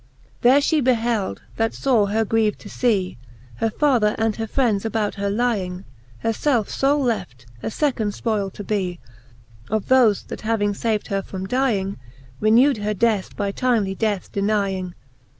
XXIII. There fhe beheld, that fore her griev'd to fee, Her father and her friends about her lying, Her felfe fole left, a fecond fpoyle to bee Of thofe, that having faved her from dying, Renew'd her death, by timely death denying.